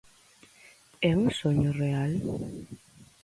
É un soño real?